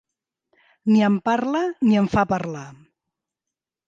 Ni em parla ni em fa parlar.